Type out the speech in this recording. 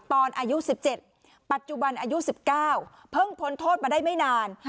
ตอนอายุสิบเจ็ดปัจจุบันอายุสิบเก้าเพิ่งพ้นโทษมาได้ไม่นาน